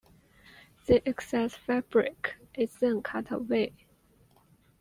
The excess fabric is then cut away.